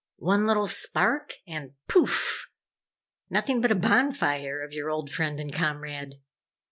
One little spark and pouff! Nothing but a bonfire of your old friend and comrade!"